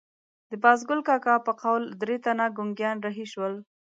د بازګل کاکا په قول درې تنه ګونګیان رهي شول.